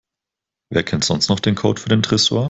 Wer kennt sonst noch den Code für den Tresor?